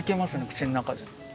口の中で。